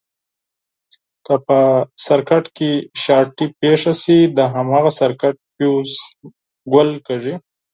که په سرکټ کې شارټي پېښه شي د هماغه سرکټ فیوز ګل کېږي.